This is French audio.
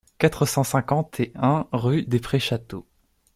quatre cent cinquante et un rue des Prés Château